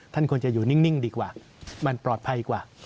ท่านควรจะอยู่นิ่งดีกว่ามันปลอดภัยกว่า